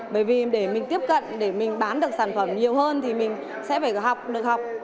bởi vì để mình tiếp cận để mình bán được sản phẩm nhiều hơn thì mình sẽ phải học được học